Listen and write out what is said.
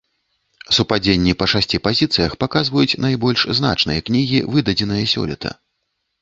Супадзенні па шасці пазіцыях паказваюць найбольш значныя кнігі, выдадзеныя сёлета.